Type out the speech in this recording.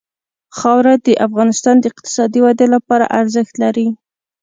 خاوره د افغانستان د اقتصادي ودې لپاره ارزښت لري.